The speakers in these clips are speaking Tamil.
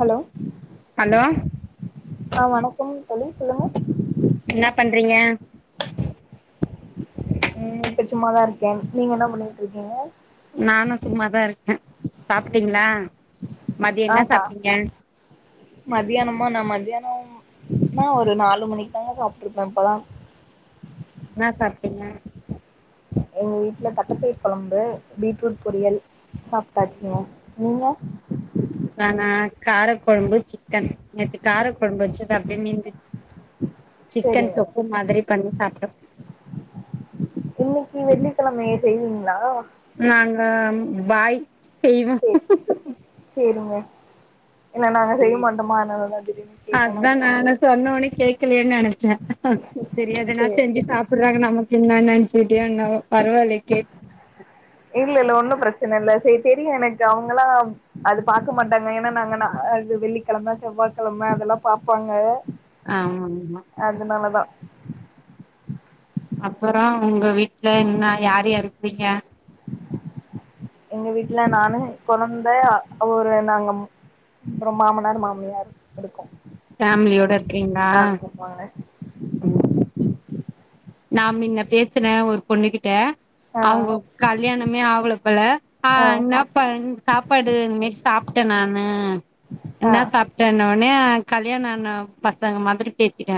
ஹலோ ஹலோ ஆ வணக்கம் தோழி சொல்லுங்க என்ன பண்றீங்க ம் இப்போ சும்மாதா இருக்கேன் நீங்க என்ன பண்ணிட்டு இருக்கீங்க நானும் சும்மாதா இருக்கே சாப்ட்டீங்களா மதிய என்ன சாப்ட்டீங்க மதியானமா நம நா ஒரு நாலு மணிக்கு தாங்க சாப்ட்டு இருப்பே இப்பதா என்னா சாப்ட்டீங்க எங்க வீட்ல தட்டபயறு குழம்பு பீட்ரூட் பொரியல் சாப்ட்டாச்சுங்க நீங்க காரக்குழம்பு சிக்கன் நேத்து காரக்குழம்பு வச்சுது அப்டியே மீந்துச்சு சிக்கன் சேரிங்க தொக்கு மாதிரி பண்ணி சாப்ட்டோ இன்னைக்கி வெள்ளிக்கிழமையே செய்வீங்களா நாங்க பாய் செய்வ சேரி சேரிங்க இல்ல நாங்க செய்ய மாட்டோமா அதனாலதா திடீர்னு கே அதான் நான் சொன்னோன்னே கேக்லேன்னு நினைச்சே நானு சரி எதனா சேரி செஞ்சு சாப்டுறாங்க நமக் கு என்ன நெனச்சுகிட்டயே என்னவோ பரவாயில்லையே கேட் இல்ல இல்ல ஒன்னும் பிரச்சனை இல்லை சரி தெரியு எனக்கு அவங்களாம் அது பார்க்க மாட்டாங்க ஏன நாங்க வெள்ளிக்கிழம செவ்வாய்கிழம அதெல்லா பார்ப்பாங்க ஆமா ஆமா அப்புற உங்க வீட்ல என்னா யார் யார் இருக்கீங்க [inaudible] எங்க வீட்ல நானு குழந்த அவரு நாங்க அப்புறம் மாமனார் மாமியார் இருக்கோ ஃபேமிலியோட இருக்கீங்களா ஆமாங்க நான் மின்ன பேசினே ஒரு பொண்ணு கிட்ட ஆ அவங்க கல்யாணமே ஆவல போல ஆ என்ன பா சாப்பாடு [unintelligible] சாப் சாப்ட்டே நானு ஆ என்ன சாப்ட்டே உனே கல்யாண ஆன பசங்க மாரி பேசிட்டே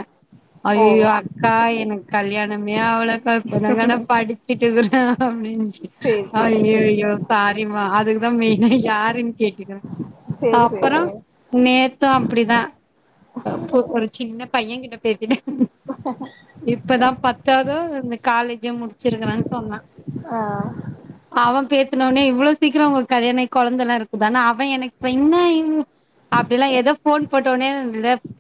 ஓ ஐய்யயோ அக்கா எனக் கல்யாணமே ஆவல க்கா இப்பதா நா படிச்சிட்டு இருக்ற அப்டினுச்சு சேரி சேரி அய்யய்யோ சாரிமா அதுக்குதா மெயினா யாருன்னு கேட்டுக்ற சேரி அப்புற சேரிங்க நேத்து அப்டிதா ஒரு சின்ன பையங்கிட்ட பேசிட்ட இப்பதா பத்தாதோ இந்த காலேஜோ முடிச்சிருக்கறான்னு சொன்னா ஆ அவ பேசனொன்னே இவ்ளோ சீக்கிரம் உங்களுக் கல்யாண ஆயி கொழந்தல்லா இருக்குதானா அவன் எனக்கு என்னா இவ் அப்டில்லா எதோ போன் போட்டோன்னே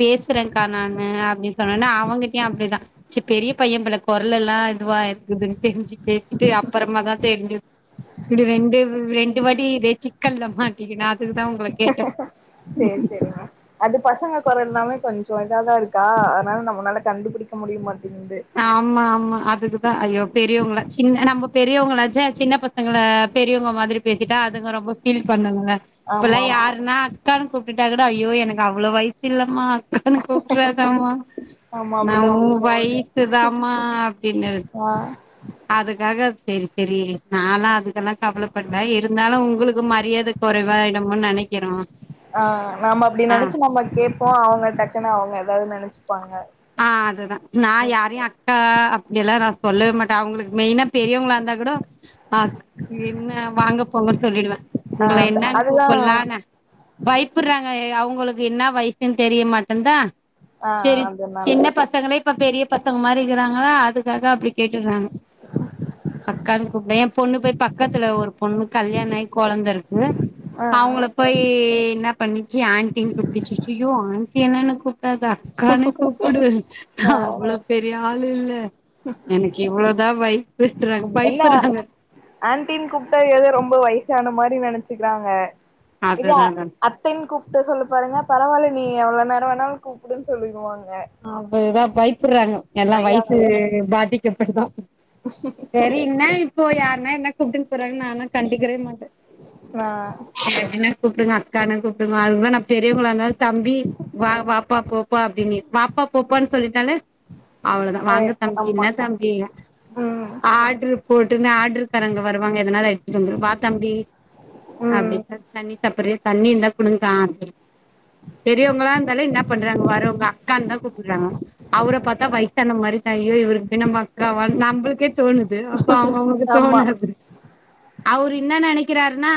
பேசுறேன்க்கா நானு அப்டின்னு சொன்னொன்ன அவங்கிட்டயும் அப்டிதா ச பெரிய பையன் போல குரல்லலா இதுவா க்குதுன்னு தெரிஞ்சு கேட்டுட்டு அப்புறமா தான் தெரிஞ்சுது இப்டி ரெண்டு ரெண் டுவாட்டி இதே சிக்கல்ல மாட்டிகினா சேர் செரிங்க அது பசங்க குரல்னாவே கொஞ்சம் இதா தா இருக்கா அதனால நம்மளால கண்டுபிடிக்க முடியமாட் ஆமா ஆமா அதுக்குதான் ஐயோ பெரியவங்களா சின்ன நம்மப் பெரியவங்களாச்சே சின்ன பசங்கள பெரியவங்க மாதிரி பேசிட்டா அதுங்க ரொம்ப ஃபீல் பண்ணுங்க இப்பல்லா ஆமா ஆமா யாருன்னா அக்கான்னு கூப்டுட்டாக்கூட ஐயோ எனக்கு அவ்ளோ வயசு இல்லமா அக்கானு கூப்டுராதமா ஆமா நா அப்டிதா உ பேசுவாங்க வய்ஸ் க்குதாமா அப்டின்னுரத் ஆ அதுக்காக செரி செ ரி நாலா அதுக்கல்லா கவலை படல இருந்தாலு உங்ளுக்கு மரியாத குறைவாயிடுமோனு நெனைக்கிறோ ஆஹ் நாம அப்டி ஆ நினைச்சு நம்ம கேப்போம் அவங்க டக்குன்னு அவங்க ஏதாவது நெனைச்சு ஆஹ் அதுதா நா யாரையும் அக்கா அப்டியெல்லா நா சொல்லவே மாட்டே அவ்ங்ளுக் அவங்களுக்கு மெயினா பெரியவங்களா இருந்தா கூட அ என்ன வாங்க போங்கனு சொல்லிடுவ ஆ உங்கள என்ன அதுதா பைப்புறாங்க அவுங்களுக்கு என்ன வயசுன்னு தெரிய மாட்டன்தா ஆ ஆ அப்டொன்னு சின்ன பசங்களே இப்ப பெரிய பசங்க மாரி கிறாங்களா அதுக்காக அப்டி கேட்டுறாங்க கட் கான்னு கூப்பிடு என் பொண்ணு போய் பக்கத்துல ஒரு பொண்ணு கல்யாண ஆயி கொழந்த இருக்கு ஆ அவங்கள போய் ன்னா பண்ணிச்சு ஆன்டின்னு கூப்பிடிச்சு சுய்யய்யோ ஆன்டின்னு என்ன கூப் டாதா அக்கானே கூப்புடு நா ஆ அவ்ளோ பெரிய ஆள் இல்லா எனக்கு இவ்ளோதா வய்சு இல்ல ஆண்டினு கூப்ட ஏதோ ரொம்ப வயசான மாரி நெனைச்சுக்கிறாங்க இத அதுதா அதா அத்தைன்னு கூப்பிட்டு சொல்லு பாருங்க பரவில்லா நீ எவ்ளோனா னாலு கூப்டுன்னு சொல்லிக்வாங்க அவ்ளதா பயப்படுறாங்க எல்லாம் ஐயா வைய்சு பாதிக்கப்படுதா சரி ன்ன இப்போ யார்னா என்ன கூப்டுன்னு போறாங்க நானு கண்டிக்கிறவே மாட்ட ஆ நீ எப்டினா கூப்பிடுங்க அக்கானு கூப்பிடுங்க அதுதா நா பெரியவங்கள இருந்தாலும் தம்பி வாப்பா போப்பா அப்டின்னி வாப் பா போப்பான்னு சொல்லிட்டாலே அவ்ளதா ஆ வாங்க தம்பி ஆமா ன்ன தம்பி ம் ஆட்ருப் போட்டுருனு ஆர்டருக்காரங்க வருவாங்க எதனால எடுத்துட்டு வந்திரு வா தம்பி ம் அப்டின்றத் தண்ணி சாப்புற்றியா தண்ணி இருந்தா குடுங்கா பெரியவங்களா இருந்தாலு ன்னாப் பண்றாங்க வரவங்க அக்கான்னுதா கூப்புறாங்க அவர பாத்தா வயசான மாரி ஐய்யய்யோ இவ்ருக்கு போய் நம்ப அக்காவா நம்மளுக்கே தோணுது து அப்போ அவ்ங்கவ்ங்ளுக்கு ஆமா தோனாது அவரு ன்ன நெனைக்கிறாருன்னா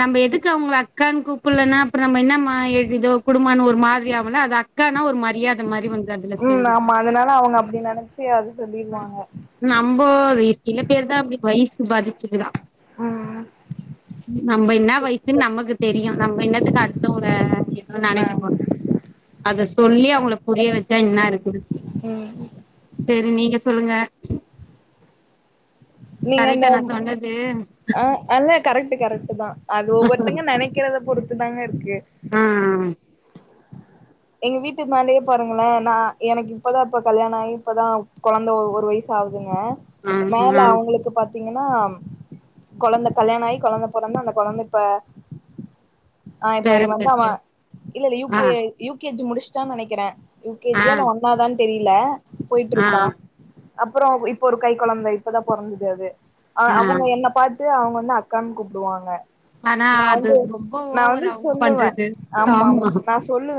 நம்ம எதுக்கு அவுங்கள அக்கான்னு கூப்பிலன்னா அப்புறம் நம்ம என்ன எதோ குடும்பமான்னு ஒரு மாதிரி ஆவுலா அது அக் கான ஒரு மாரி மரியாத வந்து அதுல உம் சேந்துது ஆமா அதனால அவங்க அப்டி நினைச்சு அது சொல்லிருவாங்க நம்போ வி சில பேருதான் அப்டி வயசு பாதி ம் நம்ப ன்னா சரி வயசுன்னு நமக்கு தெரியும் நம்ம என்னத்துக்கு அடுத்தவாங்கள எதுவும் ஆ நெனைக்க போறோம் அதஸ் சொல்லி அவ்ங்கள புரிய வச்சா ன்னாயிருக்குது ம் சரி நீங்க சொல்லுங்க நீங்க இந்த கரெக்டா நா ம் சொன்னது அ அல்ல கரெக்ட்டு கரெக்ட்டுதா அது ஒவ்வொருத்தங்க நெனைக்கிறத பொறுத்து தாங்க இருக்கு அ ஆ எங்க வீட்டு மாடிய பாருங்கள நா எனக்கிப்பதா இப்ப கல்யாணாயி இப்பதா கொழந்த ஒ ஒரு வயசாவு துங்க ஆ மேல ஆ ஆ அவுங்களுக்கு பாத் தீங்கன்னா கொழந்த கல்யாணாயி கொழந்த பொறந்து அந்த கொழந்த இப்ப ஆ இப்ப பேரம் இவந்து அவ பேத்தி இல்ல இல்ல யூ ஆ கே யூ கே ஜி முடிஷ்ட்டான் நெனக்கிற யு கே ஜி ஆ யா இல்ல ஒண்ணாவ்தான் தெரியில ஆ போயிட்ருக்கா அப்பறோ இப்ப ஒரு கைக் கொழந்த இப்பதா பொறந்துது அது அ ஆ அவுங்க என்ன பா து அவுங்க வந்து அக்கான் கூப்டுவாங்க ஆனா நா அது வந்து ரொம்ப நா ஓவர் வந்து அவங்க சொல்லுவ பண்றது ஆமா ஆமா நா சொல்லுவ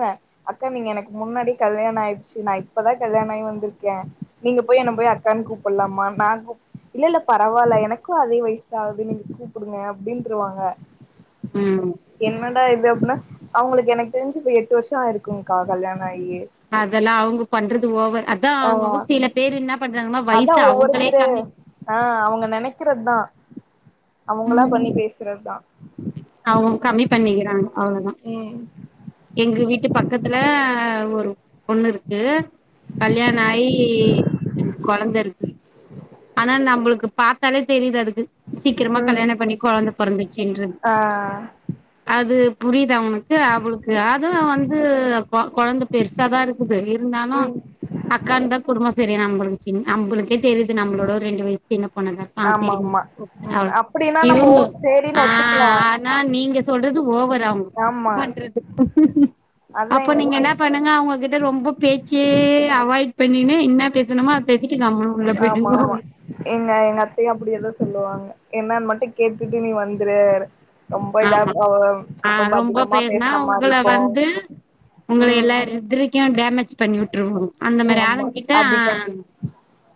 அக்கா நீங்க எனக்கு முன்னாடி கல்யாண ஆயிர்ச்சு நா இப்பதா கல்யாணாயி வந்துர்க்கே நீங்க போய் என்ன போய் அக் கான் கூப்பல்லாமா நா கூப் இல்ல இல்ல பரவால்ல எனக்கு அதே வயஸ்தா ஆவ்து நீங்க கூப்புடுங்க அப்டின்ருவாங்க ம் த இது எப்புனா அவுங்களுக்கு எனக்கு தெரிஞ்சி இப்ப எட்டு வர்ஷோ ஆயிருக்குங்க்கா கல்யாணொ ஆயி அதெல்லா அவுங்க பண்றது ஓவர் அதா ஆ அவுங்கவ்ங்க சில பேரு இன்னா பண்றாங்கமா அதா வைச அவ்ங்களே ஒவ்வொருத்தரு கம்மி ஆ அவுங்க நெனக்கிறத்தா அவுங்களா பண்ணி பேசுறத்தா அவுங் கம்மி பண்ணிக்கிறாங்க அவ்ளோதா ம் எங்க வீட்டுப் பக்கத்துல ஒரு பொண்ணு இருக்கு கல்யாண ஆயி ரெண்டு கொழந்தருக்கு ஆனா நம்ப்ளுக்கு பாத்தாலே தெரிது அது து சீக்கிரமா ம் கல்யாணப் பண்ணி கொழந்த பொறந்துர்ச்சின்றது ஆ அது புரியிதா உங் கு அவளுக்கு அதுவு வந்து கொ கொழந்த பெருசாதா இருக்குது இருந்தாலு ம் அக்கான்தா [unintelligible] நம்பளுச்சி நம்பளுக்கே தெரிது நம்பளோட ஒரு ரெண்டு வை சின்ன பொண்ணுதா ஆ ஆமா சேரி உ ஆமா ம் அவ்ள அப்டின்னா நம்ம ஓ இவுங்க சேரின்னு ஆ ஒத்துக்கலா ஆனா நீங்க சொல்றது ஓவரா ஆமா பண்றது அதா அப்ப எங்க நீங்க மா என்ன பண்ணுங்க அவ்ங்கக்கிட்ட ரொம்ப பேச்சே அவாய்ட் பண்ணினு இன்னா பேசணுமோ அ [unintelligible] உள்ள போய் ஆமா ஆமா எங்க எங்க அத்தையு அப்டியேதா சொல்லுவாங்க என்னான் மட்டு கேட்டுட்டு நீ வந்த்ரு ரொம்ப இதா ஆமா அ ஆ ரொம்ப அதிகமா பேசுனா பேஸ்ன உங்கள மாற்ருருக்கு வந்து உங்கள எல்லாரு த்ர்க்யு டேமேஜ் பண்ணி விட்ருவாங் அந்த மாரி ஆமா ஆளுங்க்கிட்ட ஆ அதிகோ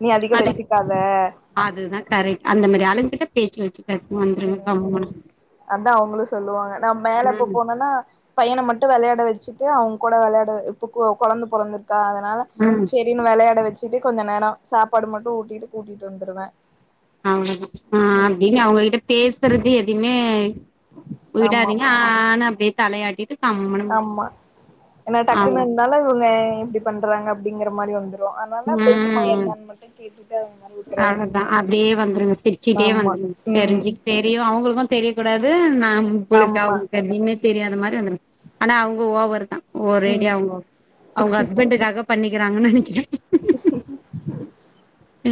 நீ அதிகொ வெச்சிக்காத அதுதா கரெக்ட் அந்த மாரி ஆளுங்க்கிட்ட பேச்சி வெச்சிக் ம் அதா அவுங்களு சொல்லுவாங்க நா மேல இப்பப் ம் போனன்னா பையன மட்டு வெளையாட வெச்சிட்டு அவுங்க்கூட வெளையாட இப்ப கொ கொழந்த பொறந்துர் க்கா அதனால ம் சேரினு வெளையாட வெச்சிட்டு கொஞ்ச நேரொ சாப்பாடு மட்டு ஊட்டிட்டு கூட்டிட்டு வந்துருவ அவ்ளதா ஆ அப்டின்னு அவுங்கக்கிட்ட பேசறதே எதை யுமே ஆமா விடாதீங்க ஆ ஆ ஆனு அப்டே தலயாட்டிட்டு ஆமா ஏனா டக்குன்னு அவ்ளோதா இந்தாலு இவுங்க இப்டி பண்றாங்க அப்டிங்கிற மாரி வந்து ரு அனால பேச்சு போ என்னான் மட்டு கேட்டுட் அஹ தா அப்டியே வந்துருங் சிரிச்சிட்டே ஆமா வந்துருங்க தெரிஞ்சி ம் தெரியு அவுங்களுக்கு தெரியக் கூடாது நாம்பளுக்க ஆமா அவுங்க எதைமே தெரியாத மார் ட்டு வந்துருங் ஆனா அவ்ங்க ஓவர் தா ம் ஒரேடியா அவ்ங்கொ அவ்ங்க ஹஸ்பண்டுக்காக பண்ணி க்கிறாங்கன் நெனக்கிற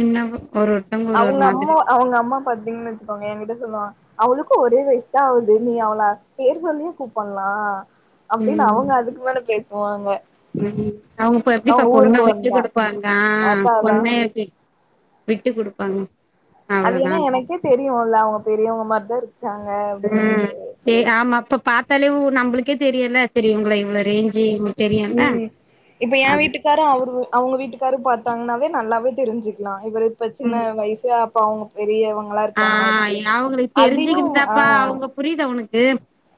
என்னவோ ஒரு ஒருத்தவங்க ஒரு ஒரு அவ்ங்க மாதிரி அம்மா அவ்ங்க அம்மா பாத்தீங்கன்னு வச்சக்கோங்க என் கிட்ட சொல்வாங் அவளுக்கும் ஒரே வயஸ்தா ஆகுது நீ அவள பேர் சொல்லியே கூப்பல்லா அப்டின்னு அவுங்க அதுக்கு மேல பேசுவாங்க உம் அவுங்க இப்ப எப்டிப்பா அவங்க பொண்ண ஊருக்கு விட்டு வந்தா குடுப்பாங்க அதா அதா பொண்ண எப்டி விட்டு குடுப்பாங்க அது அவ்ளோதா என்னா எனக்கே தெரியுல்ல அவங்க பெரியவங்க மாரிதா இருக்கு உம் ஆமா அப்ப பாத்தாலே உ நம்மளுக்கே தெரியுல இவ்ங்கள இவ்ளோ ரேஞ்சு உங்ளுக் தெரியுல்ல ம் இப்ப என் அது வீட்டுக்காரு அவரு அவங்க வீட்டுக்காரு பாத்தாங்கன்னாவே நல்லாவே தெரிஞ்சுக்கலா இவரு இப்ப சின்ன வயசு அப்ப அவங்க பெரியவங்க ஆஹ் அவுங்களுக்கு ஆ தெரிஞ்சுகின்னுதாப்பா அவங்க புரியுதா உனக்கு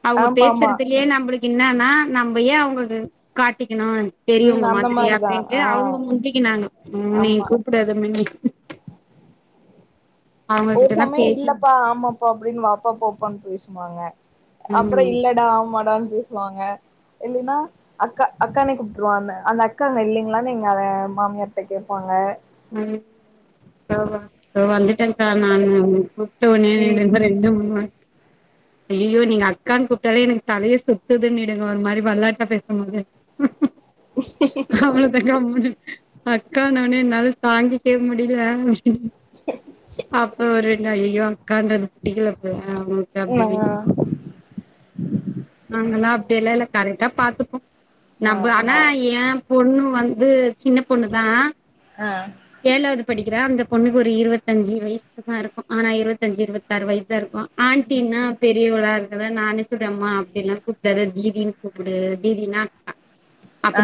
அவங்க ஆமா ஆமா பேசுறதுலயே நம்மளுக்கு ன்னான்னா நம்ப யே அவங்க காட்டி ணும் ம் பெரியவங்க அந்த மாதிரி மாரிதா அப்டின்ட்டு ஆ அவங்க முந்திக்கினாங்க உ நீ ஆமா கூப்பிடாத மின்யே ஒரு அவங்ககிட்டனா சமயம் பேச்சு இல்லப்பா ஆமாப்பா அப்டின்னு வாப்பா போப்பான்னு பேசுவாங்க அப்புறோ ம் இல்லடா ஆமாடான்னு பேசுவாங்க இல்லைன்னா அக்கா அக்கானே கூப்பிருவான்ன அந்த அக்கா அங்க இல்லிங்களான்னு எங்க மாமியார்ட்ட கேப்பாங்க உம் [unintelligible] தோ வந்துட்ட தா கூப்ட்ட உட்னே டு ம் இங்பாரு ரெண்டு மூணு ஐய்யய்யோ நீங்க அக்கான்னு கூப்பிட்டாலே எனக்கு தலையே சுத்துதுன்னிடுங்க ஒரு மாரி வெளாட்டா பேசும்போதே அவ்ளோதாங்க முடி அக்கான்ன வொன்னே என்னால தாங்கிக்கவே முடில ம் பாப்போ ஒர் ரெண்டு நா ஐய்யய்யோ அக்கான்றது புடிக்கல போல ஆ அவ்ங்ளுக் அப்டின்னு நாங்கல்லா அப்டியெல்லா இல்ல கரெக்டா பாத்துப்போம் நம்ம ஆனா ஏன் பொண்ணு வந் து சின்ன பொண்ணு தா ஆ ஆ ஏழாவது படிக்கிறா அந்த பொண்ணுக்கு ஒரு இருவத்தஞ்சு வயசு தா இருக்கும் ஆனா இருவத்தஞ்சு இருவத்தாறு வயசு தா இருக்கும் ஆன்டின்னா பெரியவளா கூப்டாத நானே சொல்ருவே அம்மா அப்டியெல்லா கூப்பிட்டாத தீதின்னு கூப்பிடு தீதினா அக்கா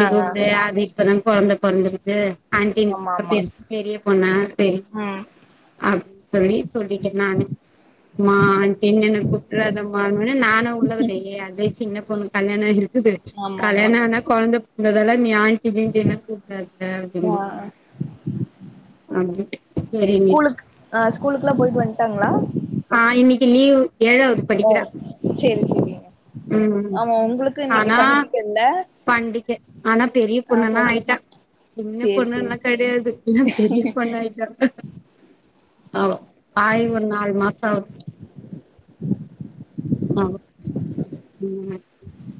ஆ ஆ கூப்பிடு அது இப்பதா கொழந்த பொறந்திருக்கு ஆன்டி ஆமா ஆமா பெருசு பெரிய பொண்ணா தெரியும் ம் அப்டின்னு சொல்லி சொல்லிடே நானு மா ஆன்டின்னு என்ன கூப்பட்டிறதாமானொன்னே நானும் உள்ள கூட்டு ஏ அதே சின்ன பொண்ணு கல்யாண ஆயிருக் குது ஆமா ஆமா கல்யாணோ ஆனா கொழந்தப் ன்றதால்லா நீ ஆண்டி கீண்டின்னு கூப்ட்ராத அப்டின்னு ஆ சொல்லிந்த அப்டின்டு ஸ்கூலுக்கு அஹ் ஸ்கூலுக்குல்லா போயிட்டு வந்துட்டாங்களா ஆஹ் இன்னிக்கு லீவ் ஏழாவது ஓ படிக்கிற சேரி சேரிங்க ஆமா உங்களுக்கு இன்னிக்கு ஆனா பண்டிக்கல்ல பண்டிக ஆனா பெரிய பொண்ணல்லா ஆயிட்டா சின்ன சேரி பொண்ணல்லா சேரி கெடையாது எல்லா பெரிய பொண்ணாயிட்டா அவ அவோ ஆயி ஒரு நாள் மாசோ ஆவுது ஆமா ம்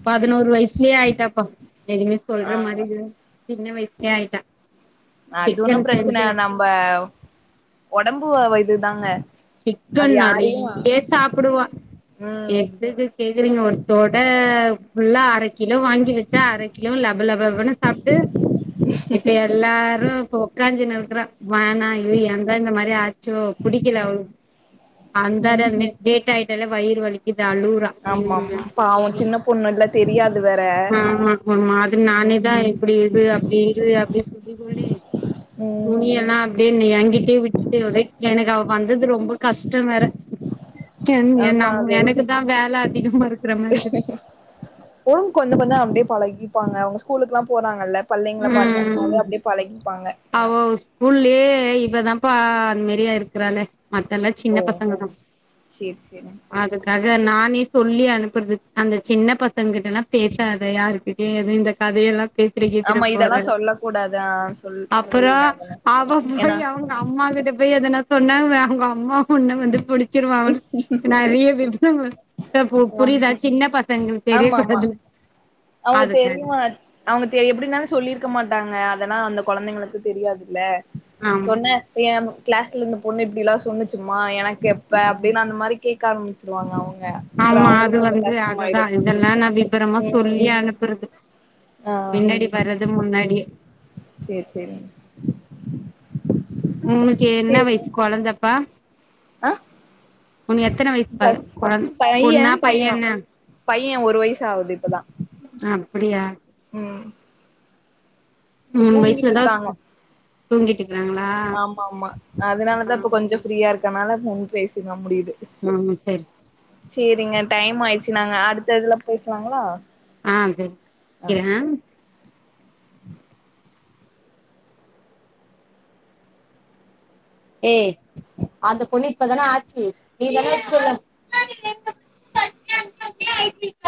பதினோரு வயஸ்லயே ஆயிட்டாப்பா எதுமே ஆ சொல்ற மாரி இல்ல சின்ன வயஸ்லே ஆயிட்டா அது சிக்கன் ஒன்னும் பிரச்சனை செஞ்சு நம்ம உடம்பு வ இதுதாங்க அது சிக்கன் யாரையு நெறைய சாப்புடுவா ம் எதுக்கு கேக்குறீங்க ஒருத்தொட புல்லா அரை கிலோ வாங்கி வச்சா அரை கிலோ லபலப லபன்னு சாப்ட்டு இப்ப எல்லாரு ப்ப உக்காஞ்சி இருக்குறா வானா ஐயோ ஏந்தா இந்த மாரி ஆச் சோ புடிக்கலா அவளுக் அந்தால ம்ஹும் டேட் ஆய்ட்டாலே வயிறு வலிக்குத் த அழுவுற [unintelligible] ஆமா ஆமா எனக்குத் பாவோ சின்ன தெரிய்து பொண்ணுல்ல தெரியாது வேற ஆமா ஒருமாதிரி நானே ம் தா இப்டி இரு அப்டி இரு அப்டி சொல்லி சொல்லி ம் துணியெல்லா அப்டியே யென்கிட்டய விட்டுட்டு ஒரே எனக்கு அவ பண்றது ரொம்ப [unintelligible] வேற என் ஆமா எநம் அது எனக்குதா வேல அதிகமா இருக்குற மாரி ம் கொஞ்ச கொஞ்ச அப்டியே பழகிப்பாங்க அவங்க ஸ்கூலுக்குல்லா போறாங்கல்ல பள்ளைங்கள பாத்தாங்கனாவே ம் அப்டியே பழகிப்பாங்க அவொ ஸ்கூல்லே இவதான்ப்பா அண்மேரியா இருக்குறாலே மத்தெல்லா ஓ சின்ன பசங்க தா சேரி சேரி அதுக்காக நானே சொல்லி அனுப்புறது அந்த சின்ன பசங்கிட்டலா பேசாத யாருக்கிட்டயு எதையு இந்த கதே எல்லா பேசிட கிசிட ஆமா போற இதெல்லா சொல்ல கூடாது ஆ சொல் அப்புரோ சொல்லிருங்க அதெல்லா அவ ஏன்னா போயி அவங்க அம்மா கிட்ட போயி எதனா சொன்னாங் அவங்க அம்மா உண்ண வந்து புடிச் ச்சிருவான் நறைய ச பு புரிதா ஆமா சின்ன பசங்கள் தெரிய ஆமா ஆமா கூடாது அவங்க அதுக்காக தெரியுமா அவங்க எப்டினாலு சொல்லிருக்க மாட்டாங்க அதெல்லா அந்த கொழந்தைங்களுக்கு தெரியாது லே ஆமா சொன்னே என் கிளாஸ்ல இருந்த பொண்ணு இப்டிலா சொன்னுச்சுமா எனக் யெப்ப ம் அப்டின்னு அந்த மாரி கேட்க ஆரம்பிச்சிருவாங்க அவங்க அப்றோ ஆமா அது அவங்களுக்கு கொஞ்சோ வந்து அததா கஷ்டமாயிடு இதெல்லா நம்பி விபரமா சொல்லி ய ம் அனுப்புறது ஆ பின்னாடி வரது முன்னாடியே சேர்ச்சேரிங்க உங்ளுக்கு என்ன வயசு கொழந்தப்பா ஆ உனகு எத்தன வயசு பா பை கொழந் பைய பொண்ணா பைய பைய்யன பைய ஒரு வய்சு ஆவுது இப்பதா அப்டியா ம் இப்ப ம் [unintelligible] வய்சு லா தூங்கிட்டு தா தூங்கிட்டீ ஆம்மா ஆமா ஆ அதனாலதா இப்ப கொஞ்ச ஃப்ரீயா இருக்கனால [unintelligible] முடியுது ஆ சரி சேரிங்க டைம் ஆயிடுச்சு நாங்க அடுத்த இதுல பேசலாங்களா ஆ சரிங் ஆ வக்கிறே ஏ அந்த கொன்னு ப்பதானே ஆச்சு நீ [unintelligible] [inaudible]